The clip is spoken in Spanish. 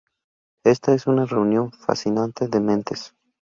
Esta es una reunión fascinante de mentes".